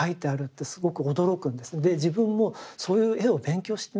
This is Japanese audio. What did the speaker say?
で自分もそういう絵を勉強してみたいと。